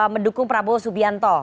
mendukung prabowo subianto